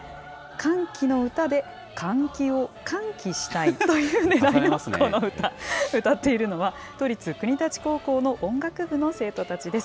歓喜の歌で換気を喚起したいというねらいのこの歌、歌っているのは、都立国立高校の音楽部の生徒たちです。